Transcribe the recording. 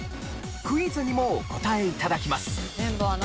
クイズにもお答え頂きます。